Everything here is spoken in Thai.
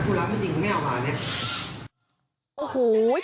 ถ้าคุณรักจริงไม่เอามาเนี่ย